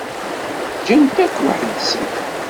Gan-t akk weḥd-sen.